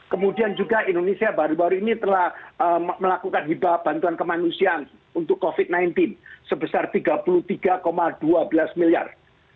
kemudian juga indonesia baru baru ini telah melakukan hibah bantuan kemanusiaan untuk covid sembilan belas sebesar rp tiga puluh tiga dua belas miliar